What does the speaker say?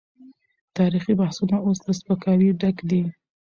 تاريخي بحثونه اوس له سپکاوي ډک دي.